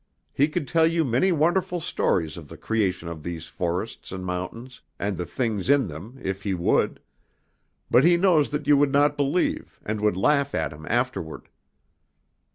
He could tell you many wonderful stories of the creation of these forests and mountains and the things in them if he would. But he knows that you would not believe, and would laugh at him afterward."